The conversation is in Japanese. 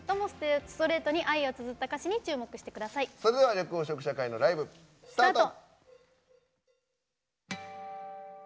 緑黄色社会のライブ、スタート。